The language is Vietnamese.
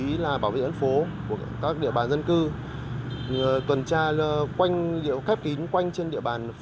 đồng chí là bảo vệ ấn phố của các địa bàn dân cư tuần tra khép kín quanh trên địa bàn